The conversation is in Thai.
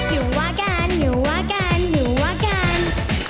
อยู่ว่ากันอยู่ว่ากันอยู่ว่ากัน